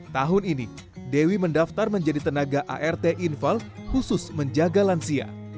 tahun ini dewi mendaftar menjadi tenaga art infal khusus menjaga lansia